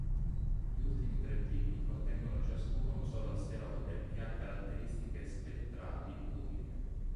Gli ultimi tre tipi contengono ciascuno un solo asteroide che ha caratteristiche spettrali uniche.